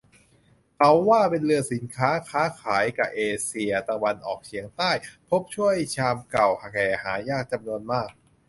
เขาว่าเป็นเรือสินค้า ค้าขายกะเอเชียตะวันออกเฉียงใต้ พบถ้วยชามเก่าแก่หายากจำนวนมาก